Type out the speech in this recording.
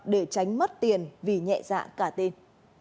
để tránh mất tiền vì nhẹ dạ cả tiền